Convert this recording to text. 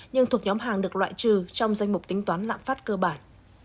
nhưng thuộc nhóm hàng được loại trừ trong danh mục tính toán lãng phát cơ bản